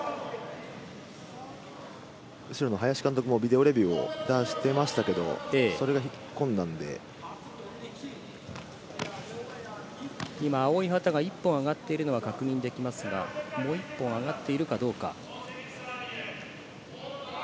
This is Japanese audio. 後ろの林監督もビデオレビューをいったん、してましたけど青い旗が１本上がっているのは確認できますがもう１本上がっているかどうか。